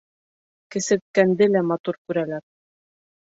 Кесерткәнде лә матур күрәләр.